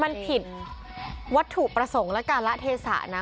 มันผิดวัตถุประสงค์และการละเทศะนะ